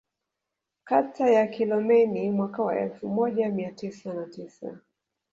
Kata ya Kilomeni mwaka wa elfu moja mia tisa na tisa